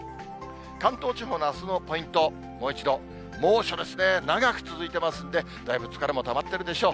関東地方のあすのポイント、もう一度、猛暑ですね、長く続いていますので、だいぶ疲れもたまってるでしょう。